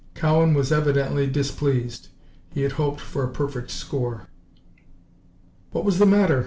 Cowan was evidently displeased. He had hoped for a perfect score. "What was the matter?"